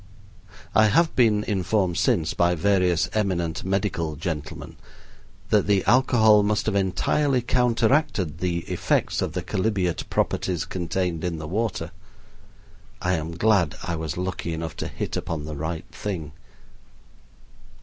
I have been informed since, by various eminent medical gentlemen, that the alcohol must have entirely counteracted the effects of the chalybeate properties contained in the water. I am glad I was lucky enough to hit upon the right thing.